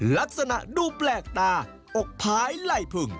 ลักษณะดูแปลกตาอกพายไหล่พึง